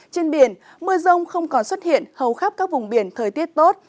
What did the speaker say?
trên biển mưa rông không còn xuất hiện hầu khắp các vùng biển thời tiết tốt